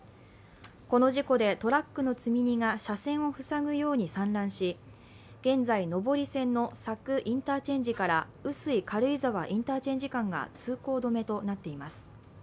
この事故でトラックの積み荷が車線を塞ぐように散乱し現在、上り線の佐久インターチェンジから碓氷軽井沢インターチェンジ間が通行止めとなっています。